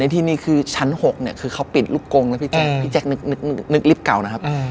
ในที่นี้คือชั้น๖คือและพี่แจ็คนึกลิฟต์เก่านะครับ